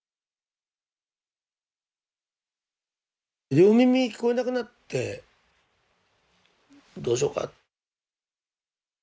両耳聞こえなくなってどうしようか。